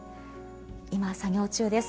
今作業中です。